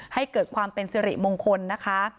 ให้เกิดความเป็นสิริมงคลนะคะ